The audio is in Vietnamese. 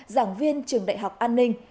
giảng viên trường đại học an ninh